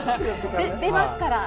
出ますから。